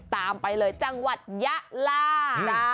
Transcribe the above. ตามไปเลยจังหวัดยะลา